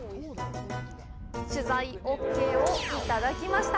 取材ＯＫ、いただきました！